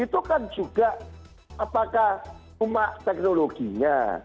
itu kan juga apakah cuma teknologinya